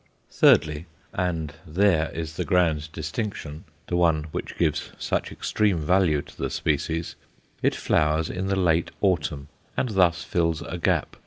Thirdly and there is the grand distinction, the one which gives such extreme value to the species it flowers in the late autumn, and thus fills a gap.